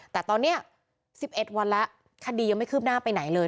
แต่ตอนนี้๑๑วันแล้วคดียังไม่คืบหน้าไปไหนเลย